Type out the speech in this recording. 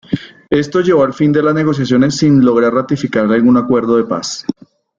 Esto llevó al fin de las negociaciones sin lograr ratificar algún acuerdo de paz.